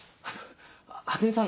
初音さん